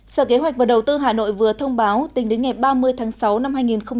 sở kế hoạch và đầu tư hà nội vừa thông báo tính đến ngày ba mươi tháng sáu năm hai nghìn hai mươi